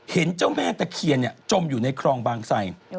เห็นเจ้าแม่ตะเคียนจมอยู่ในครองบางไส